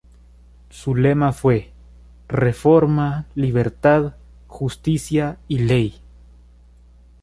Su lema fue: ""Reforma, Libertad, Justicia y Ley"".